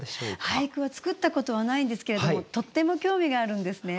俳句は作ったことはないんですけれどもとっても興味があるんですね。